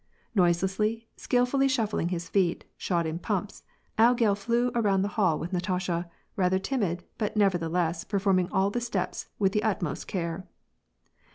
Noiselessly, skilfully shuffling his feet, shod in pumps, logel flew around the hall with Natasha, rather timid, but, nevertheless, performing all the steps with the ut most care.